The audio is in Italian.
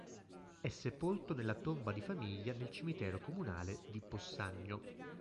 È sepolto nella tomba di famiglia nel cimitero comunale di Possagno.